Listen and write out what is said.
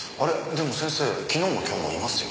でも先生昨日も今日もいますよね。